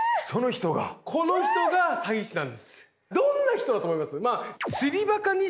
どんな人だと思います？